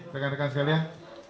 terima kasih kalian